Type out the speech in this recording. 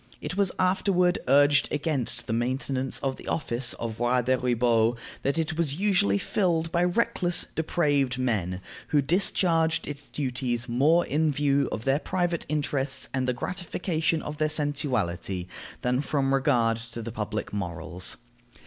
It was afterward urged against the maintenance of the office of Roi des ribauds that it was usually filled by reckless, depraved men, who discharged its duties more in view of their private interests and the gratification of their sensuality than from regard to the public morals.